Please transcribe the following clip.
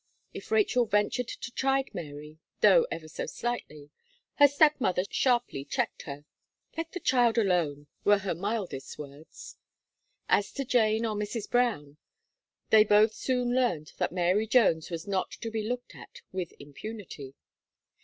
If Rachel ventured to chide Mary, though ever so slightly, her step mother sharply checked her. "Let the child alone," were her mildest words. As to Jane or Mrs. Brown, they both soon learned that Mary Jones was not to be looked at with impunity.